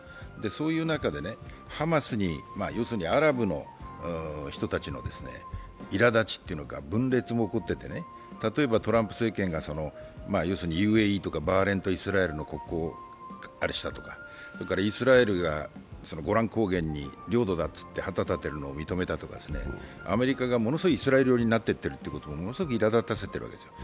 そういう中でハマスにアラブの人たちのいら立ちというのか分裂も起こっていて、例えばトランプ政権がＵＡＥとかバーレーンとイスラエルの国交をあれしたとかそれからイスラエルがゴラン高原に領土だと言って旗を立てたり、アメリカがものすごいイスラエル寄りになっているというのがいら立ってるんですよ。